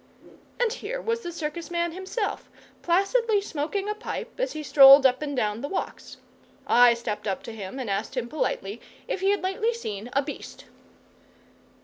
And here was the circus man himself, placidly smoking a pipe as he strolled up and down the walks. I stepped up to him and asked him politely if he had lately seen a Beast.